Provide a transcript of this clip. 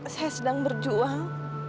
saya sedang berjuang